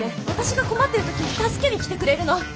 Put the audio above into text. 私が困ってる時に助けに来てくれるの。